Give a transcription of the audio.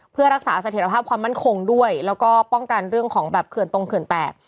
เพื่อรักษาเสถียรภาพความมั่นคงด้วยแล้วก็ป้องกันเรื่องของแบบเขื่อนตรงเขื่อนแตก